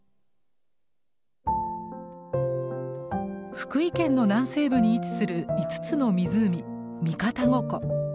福井県の南西部に位置する５つの湖三方五湖。